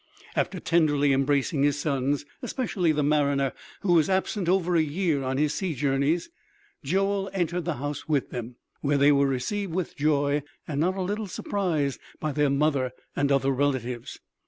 After tenderly embracing his sons, especially the mariner, who was absent over a year on his sea journeys, Joel entered the house with them, where they were received with joy and not a little surprise by their mother and other relatives.